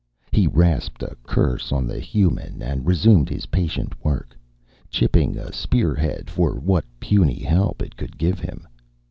He rasped a curse on the human and resumed his patient work, chipping a spearhead for what puny help it could give him.